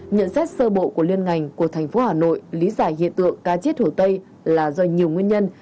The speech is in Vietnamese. nhận xét sơ bộ của liên ngành của thành phố hà nội lý giải hiện tượng cá chết hồ tây là do nhiều nguyên nhân